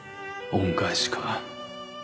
恩返しか。